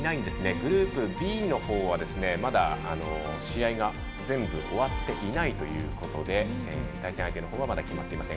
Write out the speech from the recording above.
グループＢのほうは、まだ試合が全部終わっていないということで対戦相手のほうはまだ決まっていません。